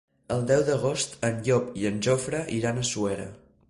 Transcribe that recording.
El deu d'agost en Llop i en Jofre iran a Suera.